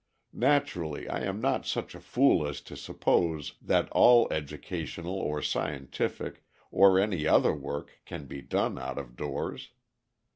Naturally, I am not such a fool as to suppose that all educational or scientific or any other work can be done out of doors.